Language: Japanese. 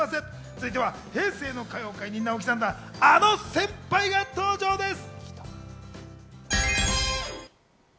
続いては平成の歌謡界に名を刻んだ、あの先輩が登場です。